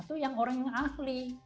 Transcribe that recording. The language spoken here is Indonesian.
itu yang orang yang ahli